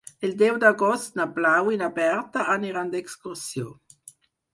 El deu d'agost na Blau i na Berta aniran d'excursió.